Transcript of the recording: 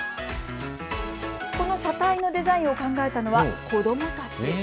この車体のデザインを考えたのは子どもたち。